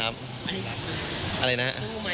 อะไรนะ